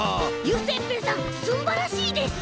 油性ペンさんすんばらしいです！